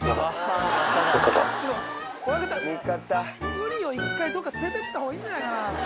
ウリを１回どっか連れてったほうがいいんじゃないかな。